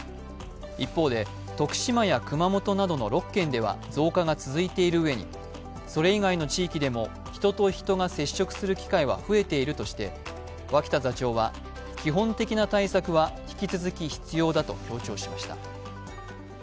一方で徳島や熊本などの６県では増加が続いているうえにそれ以外の地域でも、人と人が接触する機会は増えているとして脇田座長は、基本的な対策は引き続き必要だと強調しました。